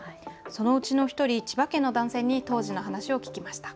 そのうちの１人、千葉県の男性に当時の話を聞きました。